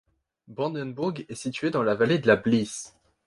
Brandenbourg est situé dans la vallée de la Blees.